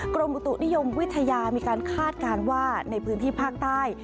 กรมอุตุนิยมวิทยามีการคาดการณ์ว่าในพื้นที่ภาคใต้